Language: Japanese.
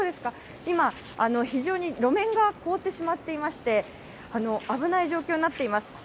今、非常に路面が凍ってしまっていまして危ない状況になっています。